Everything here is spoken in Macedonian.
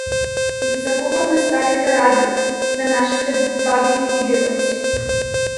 Ги закопавме старите радија на нашите баби и дедовци.